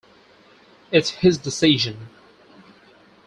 It's his decision.